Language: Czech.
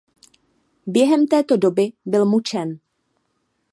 Během této doby byl mučen.